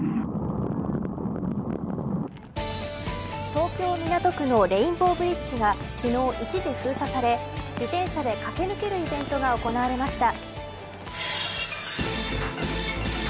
東京、港区のレインボーブリッジが昨日、一時封鎖され自転車で駆け抜けるイベントが行われました。